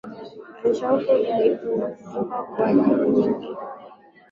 Alishakuwa dhaifu sana kutokana na kupoteza damu nyingi